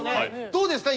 どうですか？